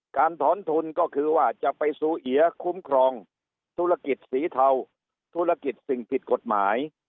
ถอนทุนก็คือว่าจะไปซูเอียคุ้มครองธุรกิจสีเทาธุรกิจสิ่งผิดกฎหมาย